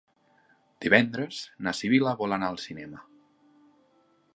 Divendres na Sibil·la vol anar al cinema.